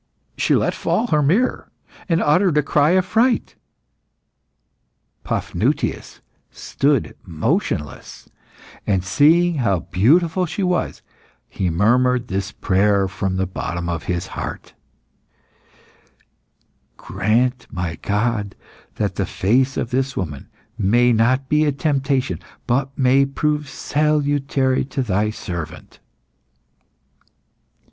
She let fall her mirror, and uttered a cry of fright. Paphnutius stood motionless, and seeing how beautiful she was, he murmured this prayer from the bottom of his heart "Grant, my God, that the face of this woman may not be a temptation, but may prove salutary to Thy servant."